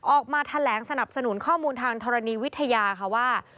ออกมาแถลงสนับสนุนข้อมูลทางธรณีวิทยาค่ะว่า